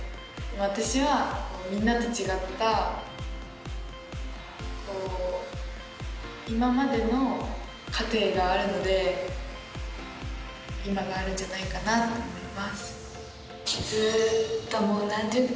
私はみんなと違った、今までの過程があるので、今があるんじゃないかなって思います。